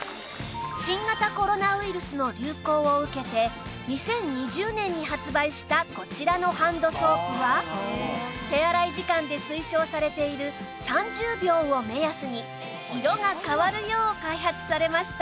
新型コロナウイルスの流行を受けて２０２０年に発売したこちらのハンドソープは手洗い時間で推奨されている３０秒を目安に色が変わるよう開発されました